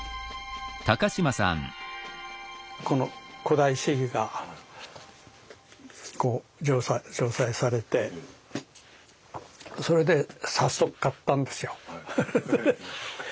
この「古代史疑」が上梓されてそれで早速買ったんですよ。